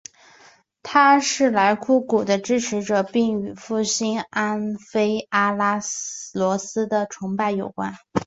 他是莱库古的支持者并与复兴安菲阿拉俄斯的崇拜有关。